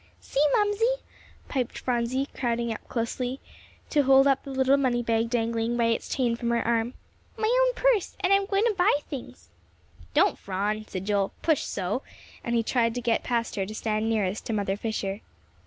"See, Mamsie," piped Phronsie, crowding up closely, to hold up the little money bag dangling by its chain from her arm; "my own purse, and I'm going to buy things." "Don't, Phron," said Joel, "push so," and he tried to get past her to stand nearest to Mother Fisher.